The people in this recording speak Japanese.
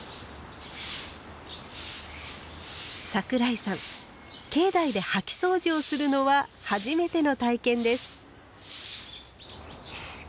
桜井さん境内で掃きそうじをするのは初めての体験です。